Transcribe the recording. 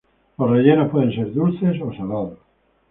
Los rellenos pueden ser dulces o salados.